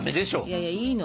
いやいやいいの。